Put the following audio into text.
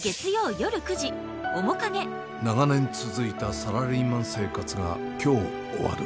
長年続いたサラリーマン生活が今日終わる。